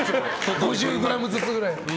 ５０ｇずつぐらい。